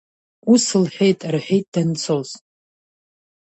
Ус лҳәеит, — рҳәеит данцоз…